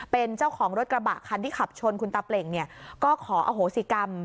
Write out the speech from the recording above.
เป็นเจ้าของรถกระบะคันที่ขับชนคุณตาเปล่งเนี่ยก็ขออโหสิกรรม